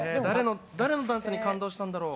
誰のダンスに感動したんだろう？